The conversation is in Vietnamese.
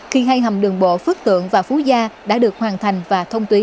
khi hai hầm đường bộ phước tượng và phú gia đã được hoàn thành và thông tuyến